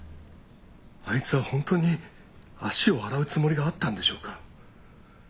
あいつは本当に足を洗うつもりがあったんでしょうか？